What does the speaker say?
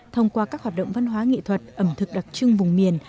thông qua các hoạt động văn hóa nghệ thuật ẩm thực đặc trưng vùng miền